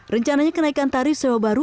rencananya kenaikan tarif sewa baru